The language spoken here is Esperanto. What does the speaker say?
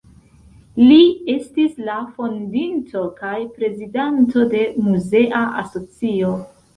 Li estis la fondinto kaj prezidanto de muzea asocio.